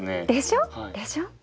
でしょ？でしょ。